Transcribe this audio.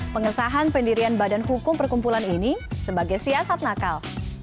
pengesahan pendirian badan hukum perkumpulan ini sebagai siasat nakal